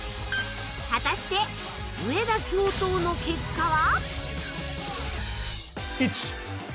果たして上田教頭の結果は？